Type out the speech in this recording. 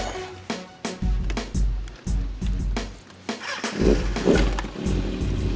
yaudah deh pak